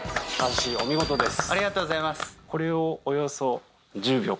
お見事です。